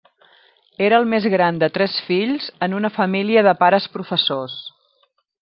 Era el més gran de tres fills en una família de pares professors.